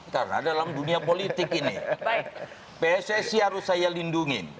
karena dalam dunia politik ini pssi harus saya lindungi